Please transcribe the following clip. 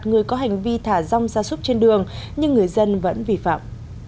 người có hành vi thả rong ra súc trên đường nhưng người dân vẫn bị phạm